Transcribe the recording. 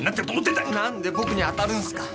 何で僕に当たるんすか。